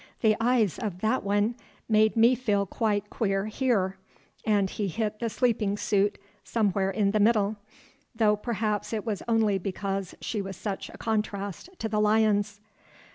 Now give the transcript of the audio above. the eyes of that one made me feel quite queer here," and he hit the sleeping suit somewhere in the middle, "though perhaps it was only because she was such a contrast to the lions."